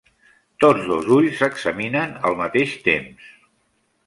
Tots dos ulls s'examinen al mateix temps.